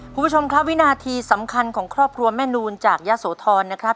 คุณผู้ชมครับวินาทีสำคัญของครอบครัวแม่นูนจากยะโสธรนะครับ